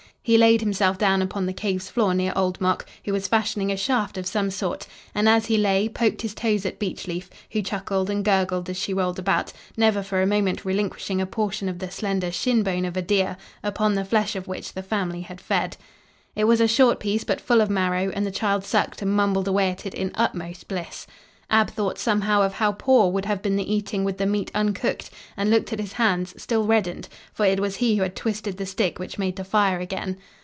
He laid himself down upon the cave's floor near Old Mok, who was fashioning a shaft of some sort, and, as he lay, poked his toes at Beechleaf, who chuckled and gurgled as she rolled about, never for a moment relinquishing a portion of the slender shin bone of a deer, upon the flesh of which the family had fed. It was a short piece but full of marrow, and the child sucked and mumbled away at it in utmost bliss. Ab thought, somehow, of how poor would have been the eating with the meat uncooked, and looked at his hands, still reddened for it was he who had twisted the stick which made the fire again.